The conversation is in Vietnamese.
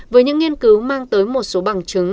với những nghiên cứu mang tới một số bằng chứng